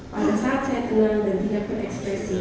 pada saat saya jual dan tidak berekspresi